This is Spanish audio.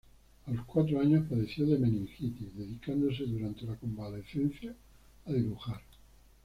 A los cuatro años padeció de meningitis dedicándose durante la convalecencia a dibujar.